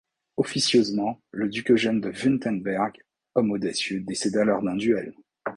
Officieusement, le duc Eugène de Wurtemberg, homme audacieux, décéda lors d'un duel.